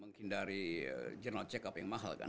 mungkin dari jurnal cek up yang mahal kan